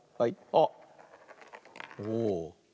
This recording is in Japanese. あっおお。